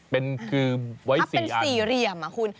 เป็นคือไว้สี่อันพับเป็นสี่เหลี่ยมคุณ